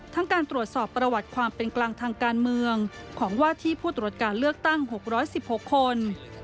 การตรวจสอบประวัติความเป็นกลางทางการเมืองของว่าที่ผู้ตรวจการเลือกตั้ง๖๑๖คน